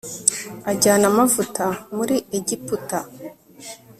ajyana amavuta muri Egiputa